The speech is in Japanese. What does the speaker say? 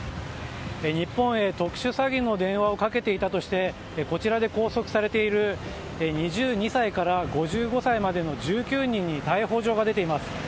日本へ特殊詐欺の電話をかけていたとしてこちらで拘束されている２５歳から５５歳までの１９人に逮捕状が出ています。